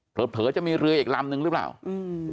เผลอจะมีเรืออีกลำนึงหรือเปล่าอืม